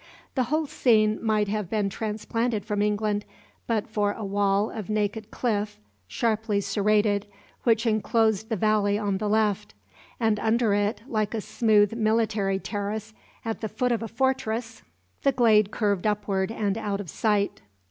The whole scene might have been transplanted from England but for a wall of naked cliff, sharply serrated, which enclosed the valley on the left. And under it, like a smooth military terrace at the foot of a fortress, the glade curved upward and out of sight.